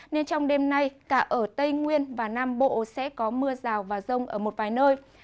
nên trong đêm nay cả ở tây nguyên và nam bộ sẽ có mưa rào và rông ở một vài nơi